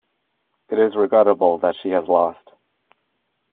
It is regrettable that she has lost.